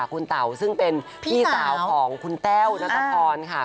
คุณเต๋าซึ่งเป็นพี่เต๋าของคุณแต้วนะครับตอนค่ะ